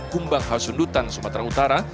kumbang haus undutan sumatera utara